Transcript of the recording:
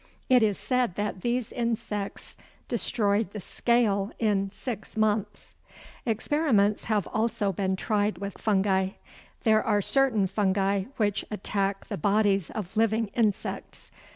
It is said that these insects destroyed the "scale" in six months! Experiments have also been tried with fungi. There are certain fungi which attack the bodies of living insects.